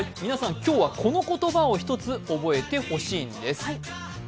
今日はこの言葉を１つ覚えてほしいんです。